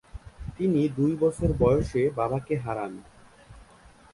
তিনি দুই বছর বয়সে বাবাকে হারান।